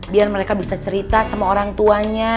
biar mereka bisa cerita sama orang tuanya